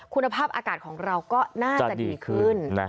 คุณภาพอากาศของเราก็น่าจะดีขึ้น